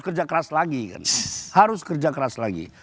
kerja keras lagi kan harus kerja keras lagi